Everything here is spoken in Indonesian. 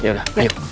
ya udah yuk